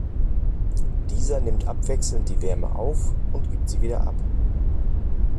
Dieser nimmt abwechselnd die Wärme auf und gibt sie wieder ab.